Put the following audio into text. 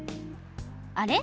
あれ？